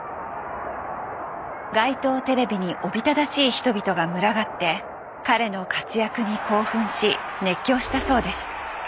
街頭テレビにおびただしい人々が群がって彼の活躍に興奮し熱狂したそうです。